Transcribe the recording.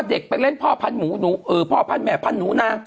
เด็กไปเล่นพ่อแม่พันหนูนา